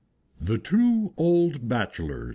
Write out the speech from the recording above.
THE TWO OLD BACHELORS.